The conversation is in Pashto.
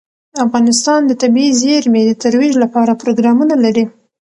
افغانستان د طبیعي زیرمې د ترویج لپاره پروګرامونه لري.